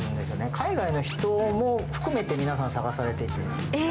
海外の人も含めて、皆さん探されていて。